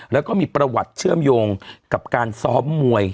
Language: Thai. แล้วก็มีประวัติเชื่อมโยงกับการซ้อมมวย